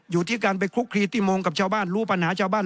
อยู่ที่การไปคลุกคลีตี้โมงกับชาวบ้านรู้ปัญหาชาวบ้าน